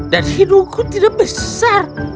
dan hidungku tidak besar